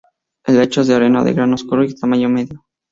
El lecho es de arena de grano oscuro y tamaño medio.